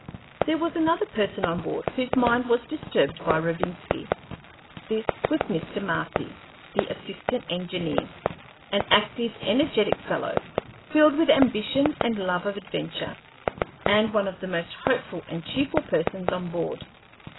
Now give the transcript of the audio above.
There was another person on board whose mind was disturbed by Rovinski. This was Mr. Marcy, the Assistant Engineer, an active, energetic fellow, filled with ambition and love of adventure, and one of the most hopeful and cheerful persons on board.